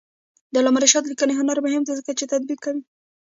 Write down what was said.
د علامه رشاد لیکنی هنر مهم دی ځکه چې تطبیق کوي.